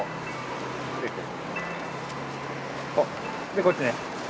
でこっちね。